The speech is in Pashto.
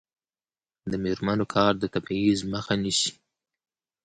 د میرمنو کار د تبعیض مخه نیسي.